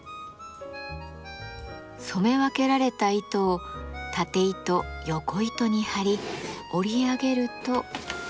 染め分けられた糸をたて糸よこ糸に張り織り上げると。